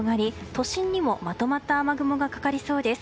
都心にもまとまった雨雲がかかりそうです。